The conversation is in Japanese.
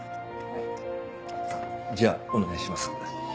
じゃあお願いします。